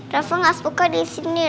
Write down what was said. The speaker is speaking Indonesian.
raffa nggak suka di sini